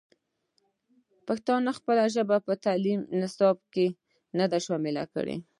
پښتنو خپله ژبه په تعلیمي نصاب کې نه ده شامل کړې.